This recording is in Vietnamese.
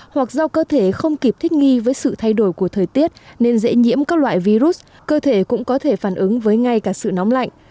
hoặc do cơ thể không kịp thích nghi với sự thay đổi của thời tiết nên dễ nhiễm các loại virus cơ thể cũng có thể phản ứng với ngay cả sự nóng lạnh